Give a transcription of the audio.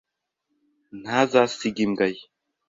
ntazasiga imbwa ye.